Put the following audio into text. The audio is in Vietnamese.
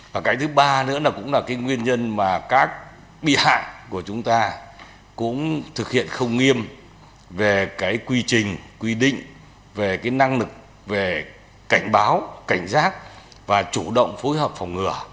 và cái thứ ba nữa là cũng là cái nguyên nhân mà các bị hại của chúng ta cũng thực hiện không nghiêm về cái quy trình quy định về cái năng lực về cảnh báo cảnh giác và chủ động phối hợp phòng ngừa